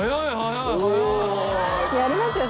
やりますよ